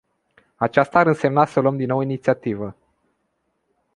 Aceasta ar însemna să luăm din nou inițiativa.